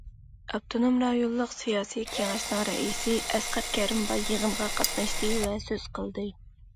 ئاپتونوم رايونلۇق سىياسىي كېڭەشنىڭ رەئىسى ئەسقەت كەرىمباي يىغىنغا قاتناشتى ۋە سۆز قىلدى.